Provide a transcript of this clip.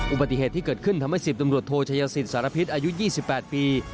อุบัติเหตุที่เกิดขึ้นทำให้๑๐ตำรวจโทชัยสิทธิสารพิษอายุ๒๘ปี